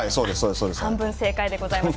半分正解でございます。